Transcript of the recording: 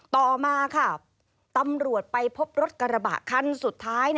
ต่อมาค่ะตำรวจไปพบรถกระบะคันสุดท้าย